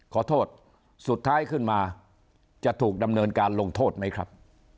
ขอโทษสุดท้ายขึ้นมาจะถูกดำเนินการลงโทษไหมครับ